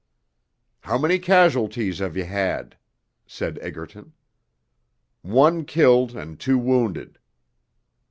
'How many casualties have you had?' said Egerton. 'One killed, and two wounded.'